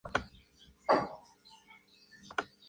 En Asia obtuvo una excelente recepción.